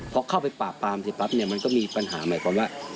พอเข้าไปปากปามสิปั๊บมันก็มีปัญหาใหม่ความว่า